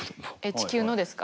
地球のですか？